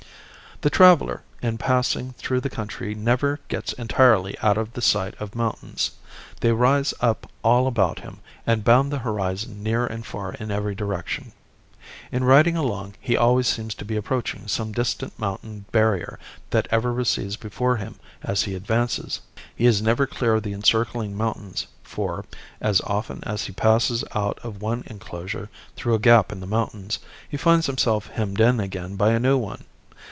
The traveler in passing through the country never gets entirely out of the sight of mountains. They rise up all about him and bound the horizon near and far in every direction. In riding along he always seems to be approaching some distant mountain barrier that ever recedes before him as he advances. He is never clear of the encircling mountains for, as often as he passes out of one enclosure through a gap in the mountains, he finds himself hemmed in again by a new one.